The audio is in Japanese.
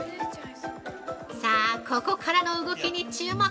◆さあ、ここからの動きに注目！